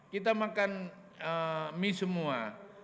kita makan mie semua